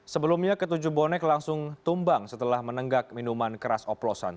sebelumnya ketujuh bonek langsung tumbang setelah menenggak minuman keras oplosan